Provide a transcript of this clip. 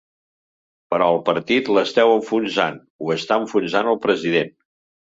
Però al partit l’esteu enfonsant, ho està enfonsant el president.